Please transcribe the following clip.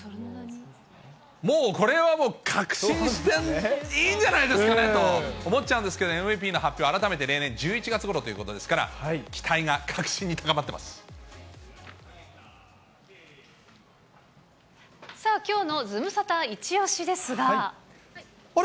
もう、これはもう、確信していいんじゃないですかねと思っちゃうんですけど、ＭＶＰの発表は改めて例年１１月ごろということですから、期待がさあ、きょうのズムサタいちあれ？